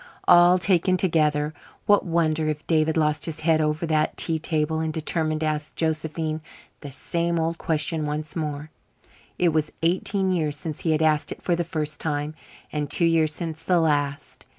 All taken together, what wonder if David lost his head over that tea table and determined to ask Josephine the same old question once more? It was eighteen years since he had asked it for the first time, and two years since the last.